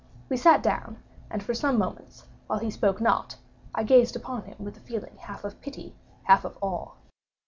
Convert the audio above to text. We sat down; and for some moments, while he spoke not, I gazed upon him with a feeling half of pity, half of awe.